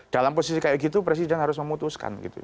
dalam posisi kayak gitu presiden harus memutuskan gitu